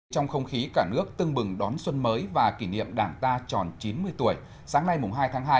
trong không khí cả nước tưng bừng đón xuân mới và kỷ niệm đảng ta tròn chín mươi tuổi sáng nay hai tháng hai